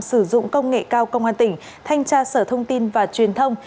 sử dụng công nghệ cao công an tỉnh thanh tra sở thông tin và truyền thông